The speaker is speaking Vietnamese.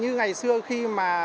như ngày xưa khi mà